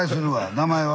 名前は？